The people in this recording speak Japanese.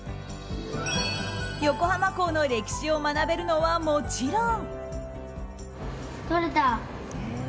横浜港の歴史を学べるのはもちろん。